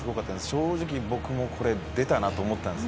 正直、僕も、これ出たなと思ったんです。